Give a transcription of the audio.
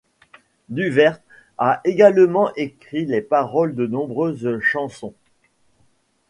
Duvert a également écrit les paroles de nombreuses chansons.